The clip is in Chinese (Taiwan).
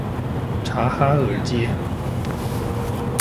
察哈爾街